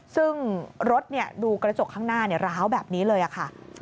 ซึ่งรถเนี่ยดูกระจกข้างหน้าเนี่ยร้าวแบบนี้เลยค่ะ